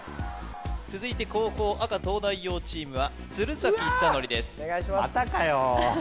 続いて後攻赤東大王チームは鶴崎修功ですうわー！